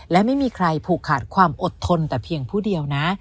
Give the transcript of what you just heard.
และไม่มีใครผูกขาดความอดทนแต่เพียงผู้เดียวนะ